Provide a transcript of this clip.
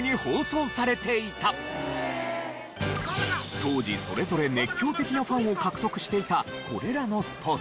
当時それぞれ熱狂的なファンを獲得していたこれらのスポーツ。